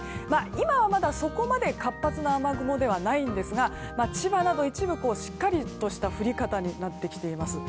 今は、まだそこまで活発な雨雲ではないんですが千葉など一部、しっかりとした降り方になってきています。